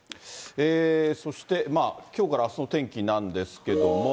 そしてきょうからあすの天気なんですけども。